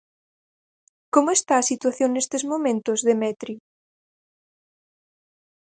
Como está situación nestes momentos, Demetrio?